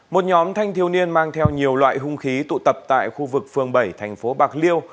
một nhóm thanh thiếu niên mang theo nhiều loại hung khí tụ tập tại khu vực phường bảy thành phố bạc liêu